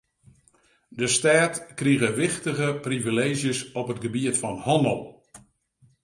De stêd krige wichtige privileezjes op it gebiet fan hannel.